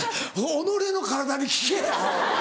己の体に聞けアホ！